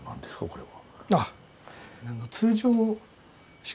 これは。